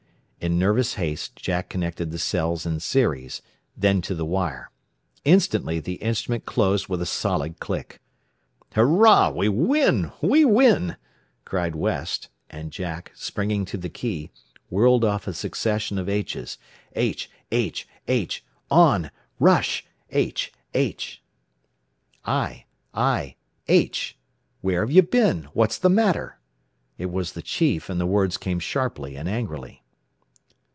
In nervous haste Jack connected the cells in series, then to the wire. Instantly the instrument closed with a solid click. "Hurrah! We win! We win!" cried West, and Jack, springing to the key, whirled off a succession of H's. "H, H, H, ON! Rush! H, H " "I, I, H! Where have you been? What's the matter?" It was the chief, and the words came sharply and angrily.